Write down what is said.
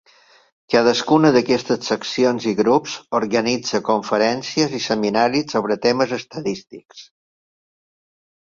Cadascuna d'aquestes seccions i grups organitza conferències i seminaris sobre temes estadístics.